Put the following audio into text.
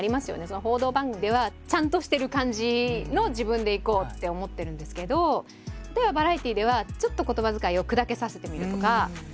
報道番組ではちゃんとしてる感じの自分でいこうって思ってるんですけど例えばバラエティーではちょっと言葉遣いを砕けさせてみるとか。